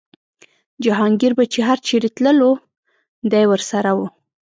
جهانګیر به چې هر چېرې تللو دی ورسره و.